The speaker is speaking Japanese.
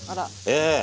ええ。